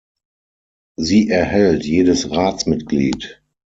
Sie erhält jedes Ratsmitglied.